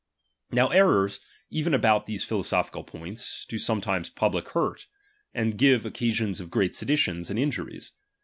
Now errors, even about ^m these philosophical points, do sometimes public ^1 hurt, and give occasions of great seditions and in H juries.